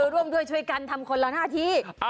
ร่วมด้วยช่วยกันทำคนละหน้าที่